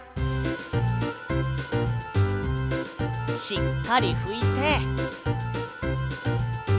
しっかりふいて。